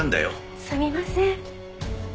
すみません。